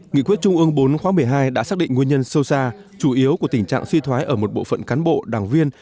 nghị quyết trung ương bốn khóa một mươi hai đã xác định nguyên nhân sâu xa chủ yếu của tình trạng suy thoái ở một bộ phận cán bộ đảng viên